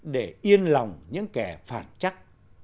để yên lòng những kẻ phản chắc